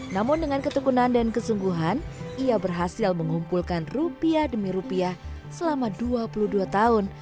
namun dengan ketekunan dan kesungguhan ia berhasil mengumpulkan rupiah demi rupiah selama dua puluh dua tahun